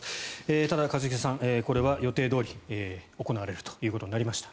ただ、一茂さんこれは予定どおり行われるということになりました。